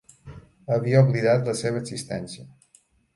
Havia oblidat la seva existència.